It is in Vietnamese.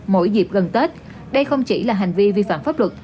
mỗi dịp gần tết đây không chỉ là hành vi vi phạm pháp luật